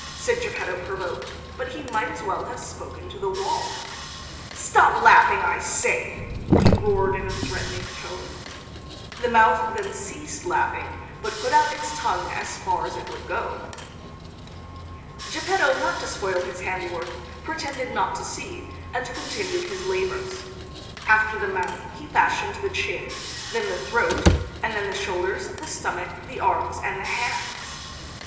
said Geppetto provoked; but he might as well have spoken to the wall. "Stop laughing, I say!" he roared in a threatening tone. The mouth then ceased laughing, but put out its tongue as far as it would go. Geppetto, not to spoil his handiwork, pretended not to see, and continued his labors. After the mouth he fashioned the chin, then the throat, and then the shoulders, the stomach, the arms and the hands.